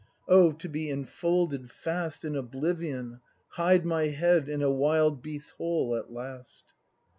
Oh, to be enfolded fast In oblivion, hide my head In a wild beast's hole at last!